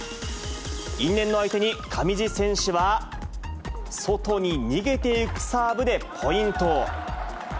因縁の相手に上地選手は、外に逃げていくサーブでポイント。